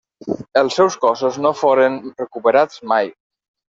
Els seus cossos no foren recuperats mai.